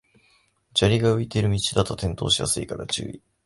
砂利が浮いてる道だと転倒しやすいから注意